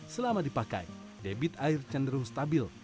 selama dipakai debit air cenderung stabil